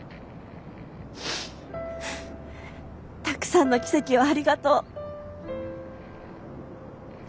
たくさんの奇跡をありがとう。